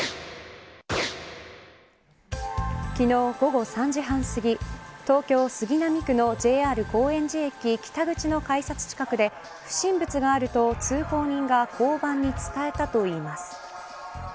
昨日、午後３時半すぎ東京杉並区のＪＲ高円寺駅北口の改札近くで不審物があると通行人が交番に伝えたといいます。